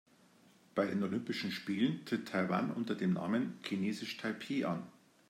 Bei den Olympischen Spielen tritt Taiwan unter dem Namen „Chinesisch Taipeh“ an.